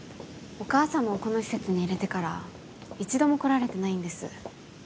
お母様をこの施設に入れてから一度も来られてないんです